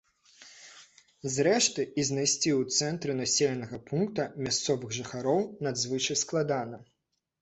Зрэшты, і знайсці ў цэнтры населенага пункта мясцовых жыхароў надзвычай складана.